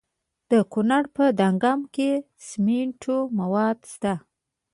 د کونړ په دانګام کې د سمنټو مواد شته.